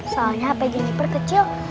soalnya hape jennifer kecil